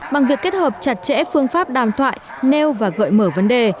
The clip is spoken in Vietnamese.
bằng việc kết hợp chặt chẽ phương pháp đàm thoại nêu và gợi mở vấn đề